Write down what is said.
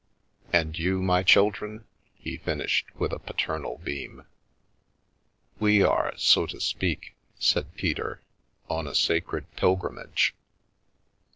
" And you, my children? " he finished, with a paternal beam. " We are, so to speak," said Peter, " on a sacred pil grimage."